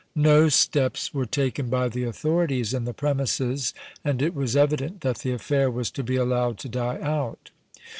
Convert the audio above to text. No steps were taken by the authorities in the premises, and it was evident that the affair was to be allowed to die out.